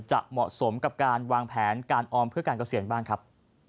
จะเหมาะสมกับการวางแผนการออมเพื่อการเกษียณบ้างครับ